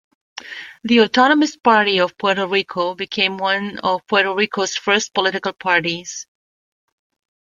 The Autonomist Party of Puerto Rico became one of Puerto Rico's first political parties.